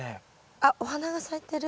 あっお花が咲いてる。